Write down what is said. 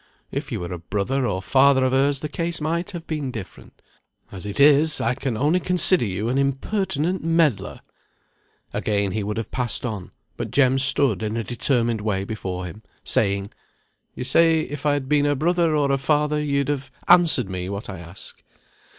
If you were a brother, or father of hers, the case might have been different. As it is, I can only consider you an impertinent meddler." Again he would have passed on, but Jem stood in a determined way before him, saying, "You say if I had been her brother, or her father, you'd have answered me what I ask.